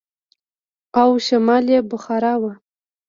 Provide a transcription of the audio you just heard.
او شمال يې بخارا و.